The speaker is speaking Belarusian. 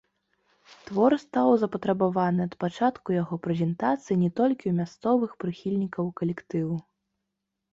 Твор стаў запатрабаваны ад пачатку яго прэзентацыі не толькі ў мясцовых прыхільнікаў калектыву.